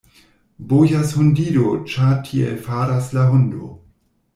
Bojas hundido, ĉar tiel faras la hundo.